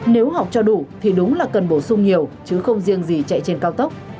nếu học cho đủ thì đúng là cần bổ sung nhiều chứ không riêng gì chạy trên cao tốc